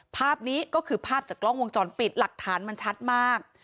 ภาพนี้ก็คือภาพจากกล้องวงจรปิดหลักฐานมันชัดมาก